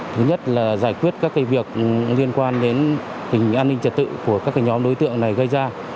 thứ nhất là giải quyết các việc liên quan đến tình hình an ninh trật tự của các nhóm đối tượng này gây ra